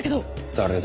誰だ？